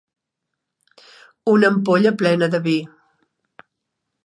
Una ampolla plena de vi.